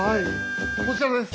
こちらです。